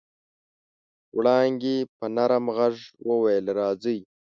وړانګې په نرم غږ وويل راځئ.